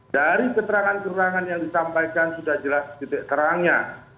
dari keterangan keterangan yang disampaikan sudah jelas titik terangnya